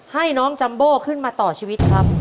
ให้น้องจัมโบขึ้นมาต่อชีวิตครับ